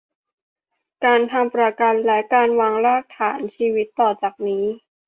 การทำประกันและการวางรากฐานชีวิตต่อจากนี้